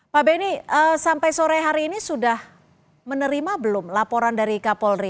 pak benny sampai sore hari ini sudah menerima belum laporan dari kapolri